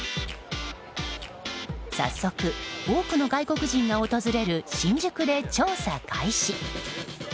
早速、多くの外国人が訪れる新宿で調査開始。